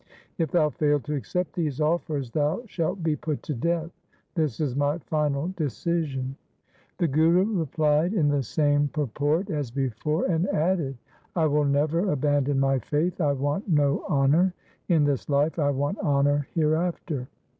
If thou fail to accept these offers, thou shalt be put to death. This is my final decision.' The Guru replied in the same purport as before, and added —' I will never abandon my faith. I want no honour in this life ; I want honour hereafter.